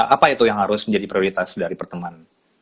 apa itu yang harus menjadi prioritas dari perteman